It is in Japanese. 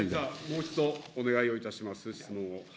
もう一度お願いをいたします、質問を。